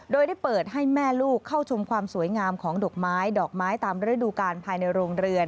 โดยได้เปิดให้แม่ลูกเข้าชมความสวยงามของดอกไม้ดอกไม้ตามฤดูการภายในโรงเรือน